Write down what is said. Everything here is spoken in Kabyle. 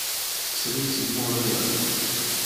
Srid seg Montreal.